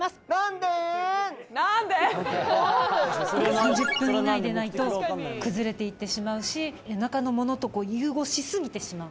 ３０分以内でないと崩れて行ってしまうし中のものと融合し過ぎてしまう。